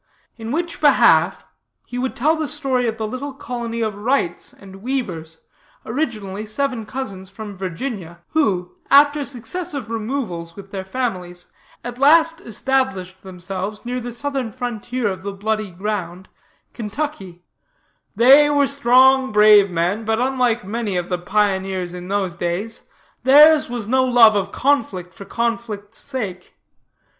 In which behalf, he would tell the story of the little colony of Wrights and Weavers, originally seven cousins from Virginia, who, after successive removals with their families, at last established themselves near the southern frontier of the Bloody Ground, Kentucky: 'They were strong, brave men; but, unlike many of the pioneers in those days, theirs was no love of conflict for conflict's sake.